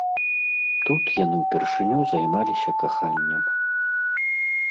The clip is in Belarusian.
Тут яны ўпершыню займаліся каханнем.